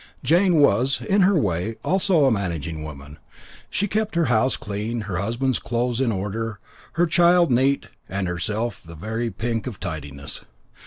Jane was, in her way, also a managing woman: she kept her house clean, her husband's clothes in order, her child neat, and herself the very pink of tidiness.